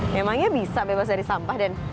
memangnya bisa bebas dari sampah